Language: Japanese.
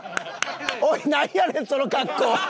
おいなんやねんその格好。